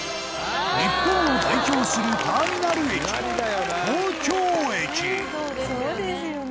日本を代表するターミナル駅東京駅本仮屋：そうですよね。